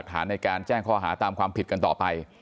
ฐานในการแจ้งข้อหาตามความผิดกันต่อไป